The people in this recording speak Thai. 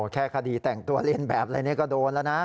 แค่คดีแต่งตัวเล่นแบบอะไรนี่ก็โดนแล้วนะ